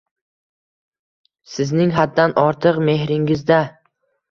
Sizning haddan ortiq mehringizda